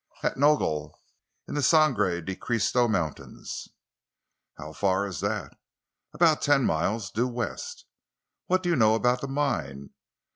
"At Nogel—in the Sangre de Christo Mountains." "How far is that?" "About ten miles—due west." "What do you know about the mine?"